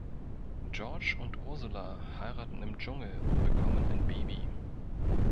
George und Ursula heiraten im Dschungel und bekommen ein Baby.